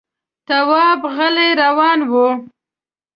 تواب غلی روان و.